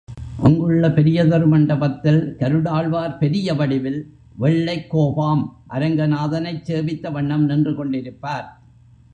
அங்குள்ள பெரியதொரு மண்டபத்தில் கருடாழ்வார் பெரிய வடிவில் வெள்ளைக்கோபாம் அரங்க நாதனைச் சேவித்த வண்ணம் நின்று கொண்டிருப்பார்.